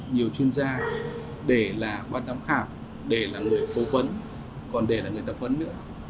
nhiều chuyên gia để là quan tâm khảm để là người cố vấn còn để là người tập huấn nữa